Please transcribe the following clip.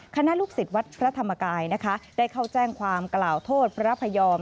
คณะลูกศิษย์วัดพระธรรมกายนะคะได้เข้าแจ้งความกล่าวโทษพระพยอม